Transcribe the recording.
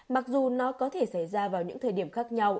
mặc dù nó có thể xảy ra vào những thời điểm khác nhau